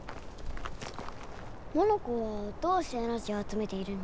モノコはどうしてエナジーをあつめているの？